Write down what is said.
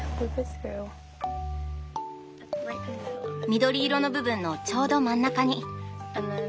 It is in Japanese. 緑色の部分のちょうど真ん中に。